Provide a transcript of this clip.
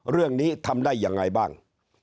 เรื่องนี้ทำได้ยังไงบ้าง